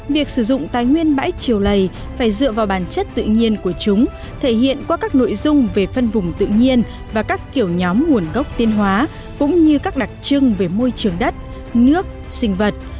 việc sử dụng tài nguyên bãi triều lầy phải dựa vào bản chất tự nhiên của chúng thể hiện qua các nội dung về phân vùng tự nhiên và các kiểu nhóm nguồn gốc tiên hóa cũng như các đặc trưng về môi trường đất nước sinh vật